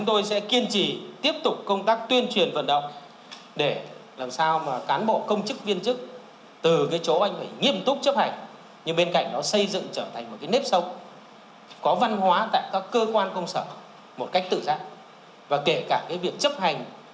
đối với quy tắc ứng xử của cán bộ công chức viên chức thì chưa tạo ra được nét văn hóa ứng xử và hình ảnh